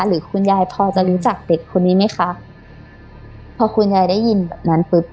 หรือคุณยายพอจะรู้จักเด็กคนนี้ไหมคะพอคุณยายได้ยินแบบนั้นปุ๊บ